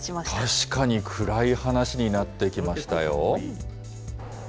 確かに暗い話になってきまし